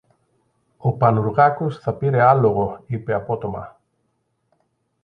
Ο Πανουργάκος θα πήρε άλογο, είπε απότομα.